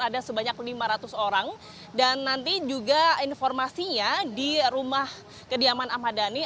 ada sebanyak lima ratus orang dan nanti juga informasinya di rumah kediaman ahmad dhani